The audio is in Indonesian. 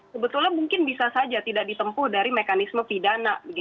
sebetulnya mungkin bisa saja tidak ditempuh dari mekanisme pidana